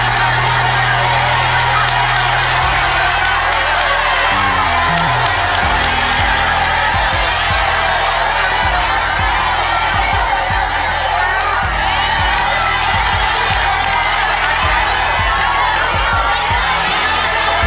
สวัสดีครับ